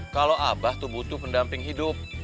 kalau abah itu butuh pendamping hidup